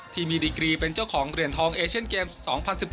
ดีกรีเป็นเจ้าของเหรียญทองเอเชียนเกมส์๒๐๑๘